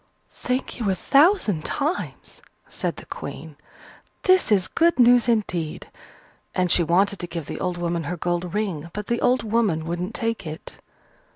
"Thank you a thousand times," said the Queen, "this is good news indeed!" And she wanted to give the old woman her gold ring; but the old woman wouldn't take it.